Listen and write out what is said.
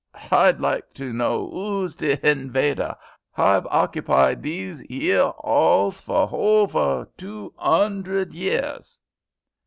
H'I'd like to know 'oo's the hinvaider. H'I've occupied these 'ere 'alls for hover two 'undred years."